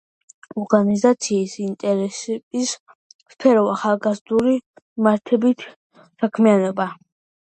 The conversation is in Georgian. ორგანიზაციის ინტერესის სფერო ახალგაზრდული მიმართულებით საქმიანობაა.